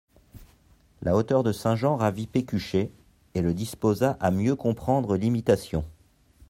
La hauteur de saint Jean ravit Pécuchet, et le disposa à mieux comprendre l'Imitation.